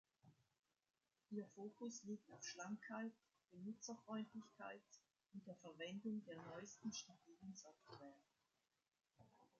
Ihr Fokus liegt auf Schlankheit, Benutzerfreundlichkeit und der Verwendung der neusten stabilen Software.